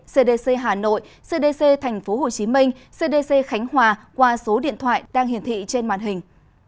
cdc hà nội cdc tp hcm cdc khánh hòa qua số điện thoại đang hiển thị trên màn hình